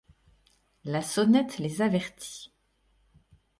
La sonnette les avertit.